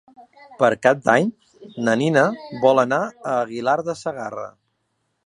Per Cap d'Any na Nina vol anar a Aguilar de Segarra.